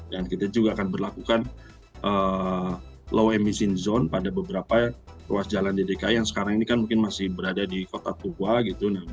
dan kita juga akan berlakukan low emission zone pada beberapa ruas jalan ddki yang sekarang ini kan mungkin masih berada di kota tugwa gitu